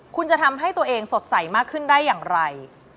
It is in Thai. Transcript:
คุณจะทำให้ตัวเองสดใสมากขึ้นได้อย่างไร